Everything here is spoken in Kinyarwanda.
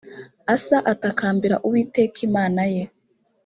asa atakambira uwiteka imana ye